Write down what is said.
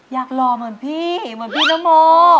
หล่อเหมือนพี่เหมือนพี่นโม